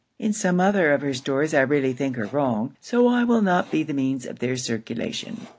In some other of her stories I really think her wrong, so I will not be the means of their circulation.'